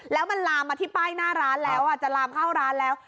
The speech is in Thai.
แล้วมันลามมาที่ป้ายหน้าร้านแล้วจะลามเข้าร้านแล้ว